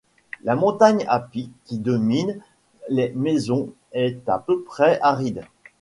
La montagne à pic qui domine les maisons est à peu près aride.